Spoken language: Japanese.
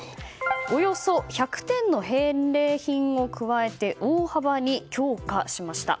およそ１００点の返礼品を加えて大幅に強化しました。